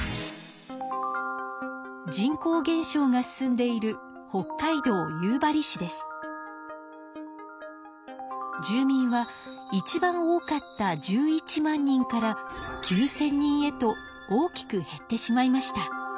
人口減少が進んでいる住民はいちばん多かった１１万人から９千人へと大きく減ってしまいました。